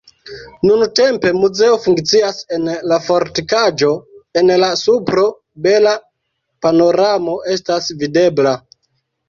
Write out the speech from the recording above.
Nuntempe muzeo funkcias en la fortikaĵo, en la supro bela panoramo estas videbla.